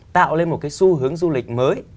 tạo lên một cái xu hướng du lịch mới